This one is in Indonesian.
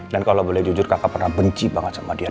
dan kalau boleh jujur kakak pernah benci banget sama dia